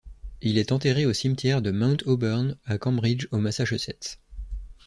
Il est enterré au cimetière de Mount Auburn, à Cambridge au Massachusetts.